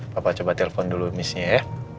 papa coba telepon dulu missnya ya